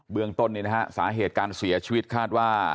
เบื้องต้นเนี่ยนะฮะสาเหตุการเสียชีวิตคาดว่า